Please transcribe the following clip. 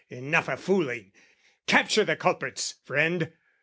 "Enough of fooling: capture the culprits, friend!